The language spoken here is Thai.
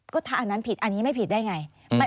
ก็ถ้าอันนั้นผิดอันนี้ไม่ผิดได้ไง